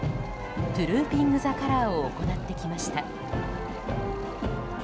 トゥルーピング・ザ・カラーを行ってきました。